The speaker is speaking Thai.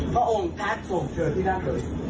เจ้าของถ้ากล์คส่งเชิญที่นั่งเดิน